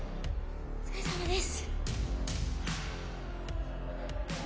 お疲れさまです。